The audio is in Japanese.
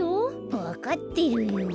わかってるよ。